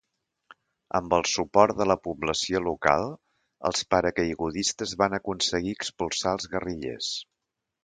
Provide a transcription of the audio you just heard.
Amb el suport de la població local, els paracaigudistes van aconseguir expulsar els guerrillers.